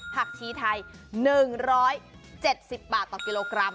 ผักชีไทย๑๗๐บาทต่อกิโลกรัม